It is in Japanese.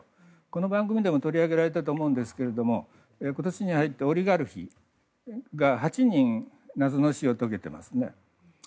この番組でも取り上げられたと思うんですけども今年に入ってオリガルヒが８人謎の死を遂げていますね。